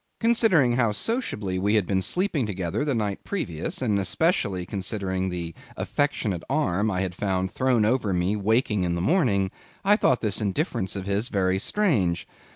Considering how sociably we had been sleeping together the night previous, and especially considering the affectionate arm I had found thrown over me upon waking in the morning, I thought this indifference of his very strange.